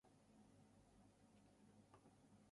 To the question he poses Do Artifacts Have Politics?